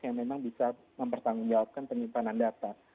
yang memang bisa mempertanggungjawabkan penyimpanan data